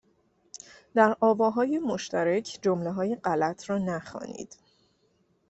در آواهای مشترک جملههای غلط را نخوانید